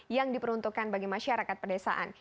yang diperuntukkan bagi masyarakat pedesaan